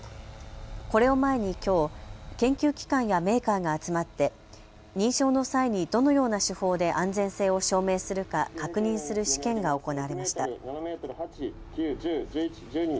これを前にきょう、研究機関やメーカーが集まって認証の際にどのような手法で安全性を証明するか確認する試験が行われました。